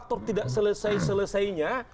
faktor tidak selesai selesainya